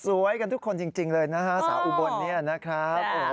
สวยกันทุกคนจริงเลยนะครับสาอุบรณ์นี้นะครับ